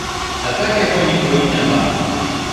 А так яго ніколі няма.